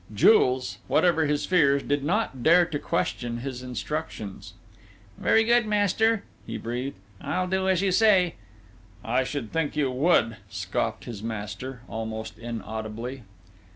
Jules, whatever his fears, did not dare to question his instructions. "Very good, master," he breathed. "I'll do as you say." "I should think you would," scoffed his master, almost inaudibly.